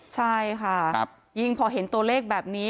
ใช่ค่ะยิ่งพอเห็นตัวเลขแบบนี้